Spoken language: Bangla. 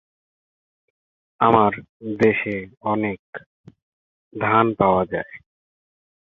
এই রোগটি মঙ্গোল বাহিনী এবং ব্যবসায়ীদের সাথে সিল্ক রোডের পথে এসে থাকতে পারে বা এটি জাহাজের মাধ্যমে আসতে পারে।